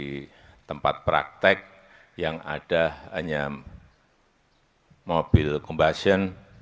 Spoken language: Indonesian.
di tempat praktek yang ada hanya mobil combustion